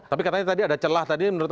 tapi katanya tadi ada celah